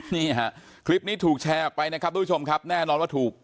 นี่ฮะคลิปนี้ถูกแชร์ออกไปนะครับทุกผู้ชมครับแน่นอนว่าถูก